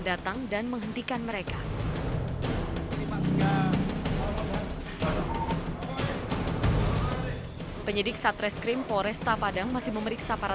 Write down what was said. datang dan menghentikan mereka memang penyidik satreskrim poresta padang masih memeriksa para